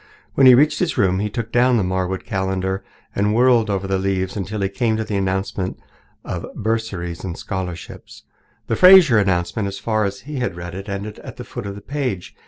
When he reached his room he took down the Marwood calendar and whirled over the leaves until he came to the announcement of bursaries and scholarships. The Fraser announcement, as far as he had read it, ended at the foot of the page.